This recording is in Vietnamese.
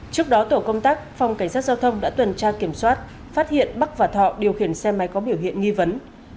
trước đó tổ công tác phòng cảnh sát giao thông đã tuần tra kiểm soát phát hiện bắc và thọ điều khiển xe máy có biểu hiện nghi vấn